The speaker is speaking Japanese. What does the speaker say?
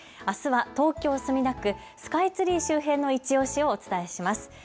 あすは東京墨田区スカイツリー周辺のいちオシをお伝えします。